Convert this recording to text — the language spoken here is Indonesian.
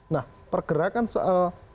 nah pergerakan soal